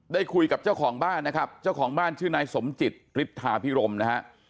ได้คุยกับเจ้าของบ้านนะครับเจ้าของบ้านชื่อนายสมจิตฤทธาพิรมนะฮะ